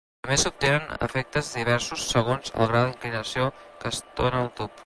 També s'obtenen efectes diversos segons el grau d'inclinació que es dóna al tub.